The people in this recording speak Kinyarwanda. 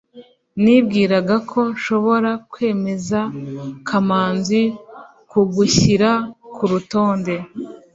nibwira ko nshobora kwemeza kamanzi kugushyira kurutonde